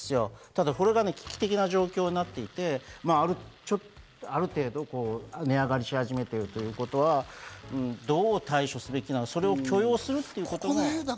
ただ、それが危機的な状況になっていて、ある程度、値上がりし始めているということはどう対処すべきか、それを許容するってことも。